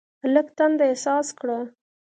هلک تنده احساس کړه.